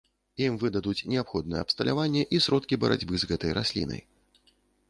Ім выдадуць неабходнае абсталяванне і сродкі барацьбы з гэтай раслінай.